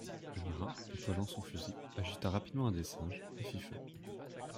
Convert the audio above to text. Le marin, épaulant son fusil, ajusta rapidement un des singes, et fit feu